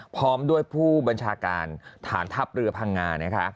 พร้อมด้วยผู้บัญชาการฐานทัพเรือพังงานะคะ